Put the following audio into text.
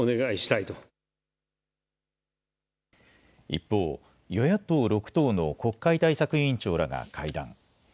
一方、与野党６党の国会対策委員長らが会談。